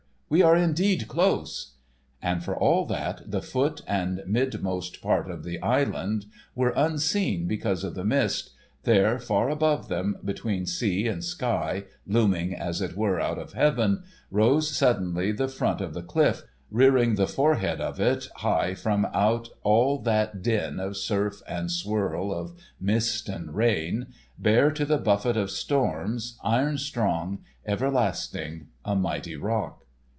We are indeed close." And for all that the foot and mid most part of the island were unseen because of the mist, there, far above them, between sea and sky, looming, as it were, out of heaven, rose suddenly the front of the cliff, rearing the forehead of it, high from out all that din of surf and swirl of mist and rain, bare to the buffet of storms, iron strong, everlasting, a mighty rock.